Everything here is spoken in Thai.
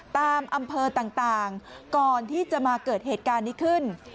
ตามอำเภอต่างก่อนที่จะมาเกิดเหตุการณ์นี้ขึ้น